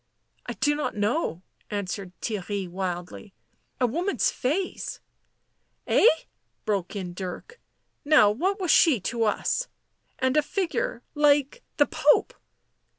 "I do not know," answered Theirry wildly. " A woman's face "" Ay," broke in Dirk. " Now, what was she to us? And a figure like — the Pope?"